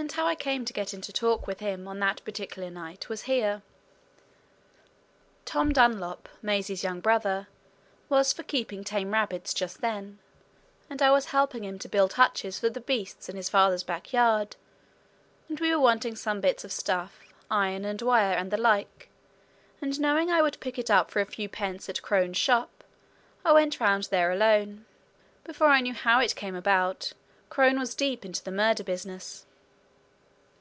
And how I came to get into talk with him on that particular night was here: Tom Dunlop, Maisie's young brother, was for keeping tame rabbits just then, and I was helping him to build hutches for the beasts in his father's back yard, and we were wanting some bits of stuff, iron and wire and the like, and knowing I would pick it up for a few pence at Crone's shop, I went round there alone. Before I knew how it came about, Crone was deep into the murder business.